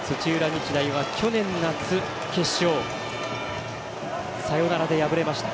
日大は去年夏、決勝サヨナラで敗れました。